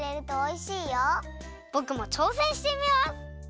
ぼくもちょうせんしてみます！